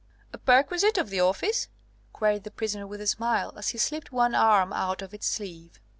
"A perquisite of the office?" queried the prisoner with a smile, as he slipped one arm out of its sleeve.